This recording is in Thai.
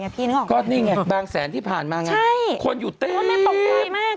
พี่นึกออกไหมบางแสนที่ผ่านมาใช่คนอยู่เต็มคนไม่ตกใจมาก